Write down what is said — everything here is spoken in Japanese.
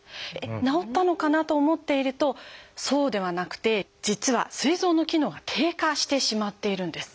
治ったのかなと思っているとそうではなくて実はすい臓の機能が低下してしまっているんです。